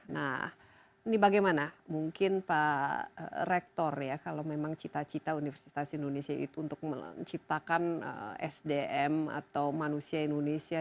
nah ini bagaimana mungkin pak rektor ya kalau memang cita cita universitas indonesia itu untuk menciptakan sdm atau manusia indonesia